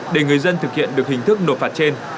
để người dân thực hiện được hình thức nộp phạt trên